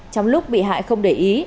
trong lúc bị hại không để ý